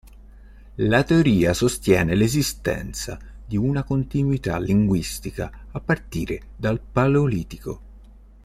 La teoria sostiene l'esistenza di una continuità linguistica a partire dal paleolitico.